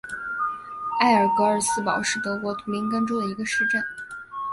埃尔格尔斯堡是德国图林根州的一个市镇。